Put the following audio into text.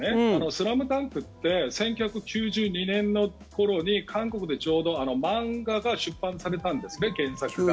「ＳＬＡＭＤＵＮＫ」って１９９２年の頃に韓国でちょうど漫画が出版されたんですね、原作が。